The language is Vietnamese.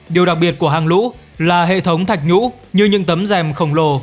điều đặc biệt của hang lũ là hệ thống thạch nhũ như những tấm dèm khổng lồ